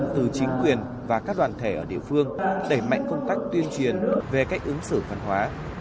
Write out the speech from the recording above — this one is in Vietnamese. từ chính quyền và các đoàn thể ở địa phương đẩy mạnh công tác tuyên truyền về cách ứng xử văn hóa